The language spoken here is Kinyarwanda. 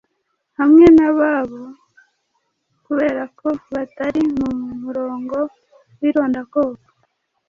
hamwe n'ababo kubera ko batari mu murongo w'irondakoko.